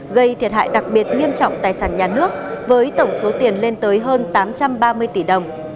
gây thiệt hại đặc biệt nghiêm trọng tài sản nhà nước với tổng số tiền lên tới hơn tám trăm ba mươi tỷ đồng